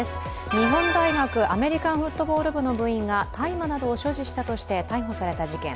日本大学アメリカンフットボール部の部員が大麻などを所持したとして逮捕された事件。